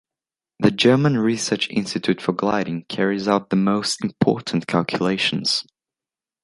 The German Research Institute for Gliding carries out the most important calculations.